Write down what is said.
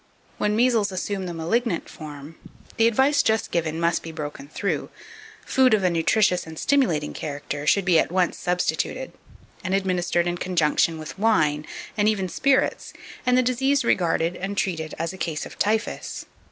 2557. When measles assume the malignant form, the advice just given must be broken through; food of a nutritious and stimulating character should be at once substituted, and administered in conjunction with wine, and even spirits, and the disease regarded and treated as a case of typhus.